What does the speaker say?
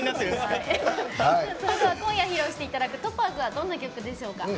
今夜、披露していただく「ｔｏｐａｚ」はどんな曲でしょうか。